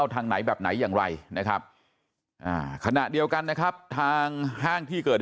ทางไหนแบบไหนอย่างไรนะครับขณะเดียวกันนะครับทางห้างที่เกิด